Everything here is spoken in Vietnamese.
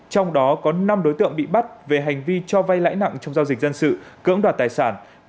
trong đó có năm đối tượng bị bắt về hành vi cho vay lãi nặng trong giao dịch dân sự cưỡng đoạt tài sản